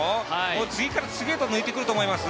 次から次へと抜いてくると思います。